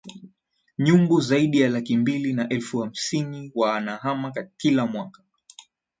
nyumbu zaidi ya laki mbili na elfu hamsini wanahama kila mwaka